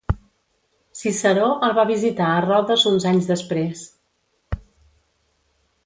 Ciceró el va visitar a Rodes uns anys després.